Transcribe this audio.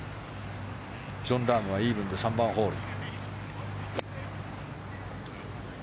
ジョン・ラームはイーブンで３番ホール。